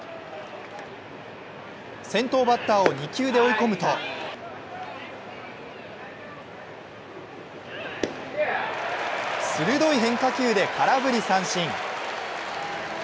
先頭バッターを２球で追い込むと鋭い変化球で空振り三振。